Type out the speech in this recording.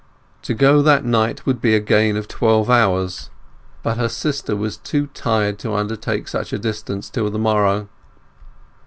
To go that night would be a gain of twelve hours; but her sister was too tired to undertake such a distance till the morrow.